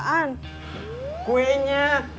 kuenya bukan terigunya